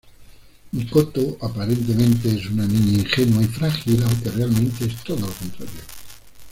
Mikoto aparentemente es una niña ingenua y frágil aunque realmente es todo lo contrario.